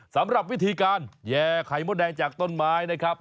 สำหรับวิธีการแย่ไข่มดแดงจากต้นไม้นะครับ